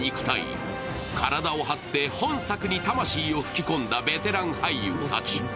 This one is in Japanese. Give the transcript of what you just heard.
体を張って本作に魂を吹き込んだベテラン俳優たち。